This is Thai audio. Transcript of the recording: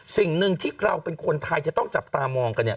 สิ่งหนึ่งที่เราเป็นคนไทยจะต้องจับตามองกันเนี่ย